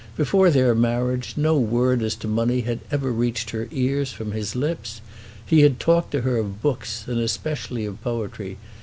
Before their marriage no word as to money had ever reached her ears from his lips. He had talked to her of books, and especially of poetry.